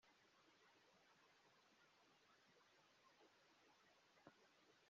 Imbyino Diamond azajya yakira azajya ahita ayisangiza abakunzi be ku rubuga rwa twitter maze babe aribo bahitamo